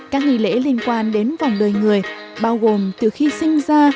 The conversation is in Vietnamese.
các nghi lễ liên quan đến vòng đời người bao gồm từ khi sinh ra